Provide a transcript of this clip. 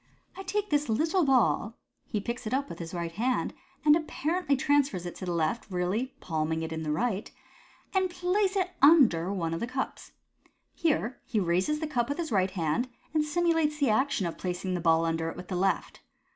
I take this little ball " (he picks it up with the right hand, and apparently transfers it to the left, really palming it in the right), " and place it under one of the cups." Here he raises the cup with the right hand, and simu lates the action of placing the ball under it with the left.